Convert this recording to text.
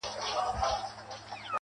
دا زما د کوچنيوالي غزل دی ..